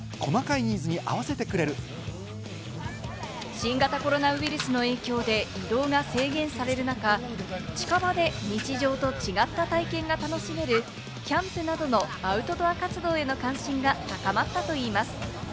新型コロナウイルスの影響で移動が制限される中、近場で日常と違った体験が楽しめるキャンプなどのアウトドア活動への関心が高まったといいます。